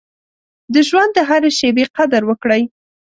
د ژوند د هرې شېبې قدر وکړئ.